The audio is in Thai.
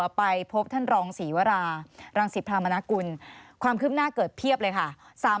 ไปพบท่านรองศรีวรารังศิพรามนากุลความคืบหน้าเกิดเพียบเลยค่ะ